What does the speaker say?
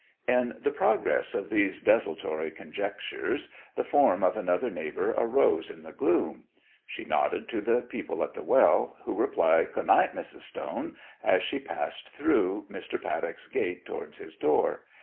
In the progress of these desultory conjectures the form of another neighbour arose in the gloom. She nodded to the people at the well, who replied 'G'd night, Mrs. Stone,' as she passed through Mr. Paddock's gate towards his door.